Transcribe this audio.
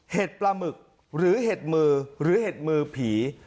ปลาหมึกหรือเห็ดมือหรือเห็ดมือผี